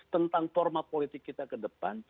tentang format politik kita ke depan